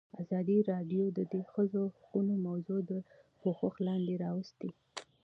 ازادي راډیو د د ښځو حقونه موضوع تر پوښښ لاندې راوستې.